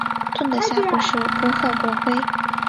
盾的下部是波赫国徽。